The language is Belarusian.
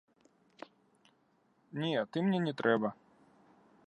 Не, ты мне не трэба.